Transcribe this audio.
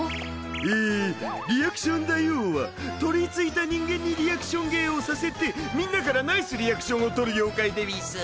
えリアクション大王はとりついた人間にリアクション芸をさせてみんなからナイスリアクションをとる妖怪でうぃす。